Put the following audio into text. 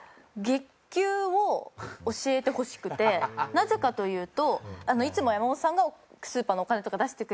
なぜかというと。